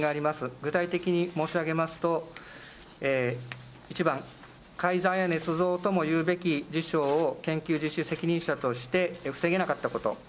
具体的に申し上げますと、１番、改ざんやねつ造ともいうべき事象を研究実施責任者として防げなかったこと。